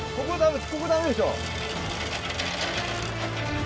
ここダメでしょ。